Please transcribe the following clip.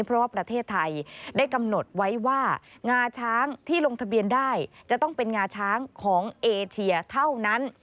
เพราะว่าประเทศไทยได้กำหนดไว้ว่างาช้างที่ลงทะเบียนได้จะต้องเป็นงาช้างของเอเชียเท่านั้น